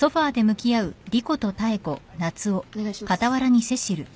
お願いします。